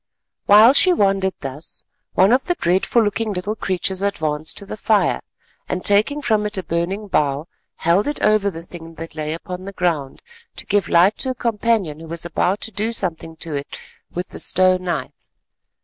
While she wondered thus, one of the dreadful looking little creatures advanced to the fire, and taking from it a burning bough, held it over the thing that lay upon the ground, to give light to a companion who was about to do something to it with the stone knife.